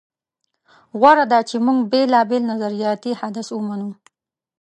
غوره ده چې موږ بېلابېل نظریاتي حدس ومنو.